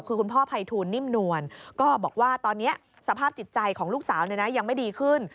คือคุณพ่อภัยทูลนิ่มนวลก็บอกว่าตอนนี้สภาพจิตใจของลูกสาวยังไม่ดีขึ้น